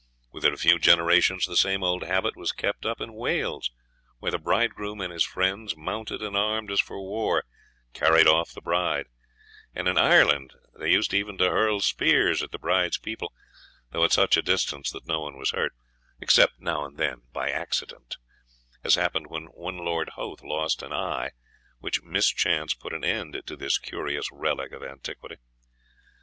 "Within a few generations the same old habit was kept up in Wales, where the bridegroom and his friends, mounted and armed as for war, carried off the bride; and in Ireland they used even to hurl spears at the bride's people, though at such a distance that no one was hurt, except now and then by accident as happened when one Lord Hoath lost an eye, which mischance put an end to this curious relic of antiquity."